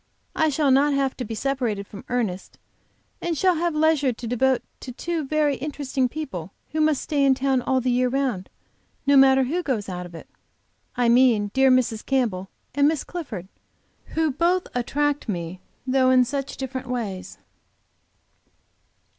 I shall not have to be separated from Ernest, and shall have leisure to devote to two very interesting people who must stay in town all the year round, no matter who goes out of it. I mean dear Mrs. Campbell and Miss Clifford, who both attract me, though in such different ways.